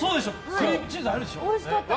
クリームチーズ合うでしょ。